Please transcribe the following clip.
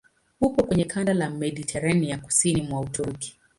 Upo kwenye kanda ya Mediteranea kusini mwa Uturuki.